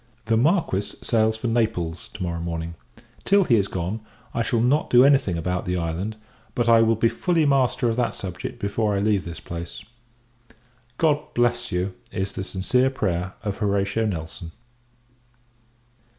The Marquis sails for Naples to morrow morning. Till he is gone, I shall not do any thing about the island; but I will be fully master of that subject before I leave this place. God bless you! is the sincere prayer of HORATIO NELSON.